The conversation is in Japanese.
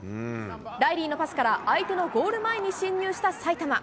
ライリーのパスから相手のゴール前に進入した埼玉。